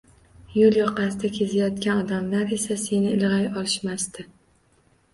Yo’l yoqasida kezinayotgan odamlar esa seni ilg’ay olishmasdi.